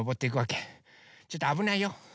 ちょっとあぶないよ。